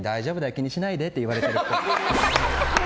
気にしないでって言われてるっぽい。